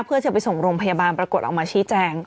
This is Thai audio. เพื่อจะไปส่งโรงพยาบาลปรากฏออกมาชี้แจง